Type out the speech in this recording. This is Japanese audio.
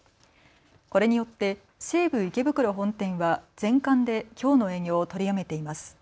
これによって西武池袋本店は全館できょうの営業を取りやめています。